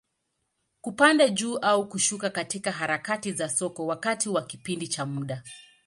Kupanda juu au kushuka katika harakati za soko, wakati wa kipindi cha muda.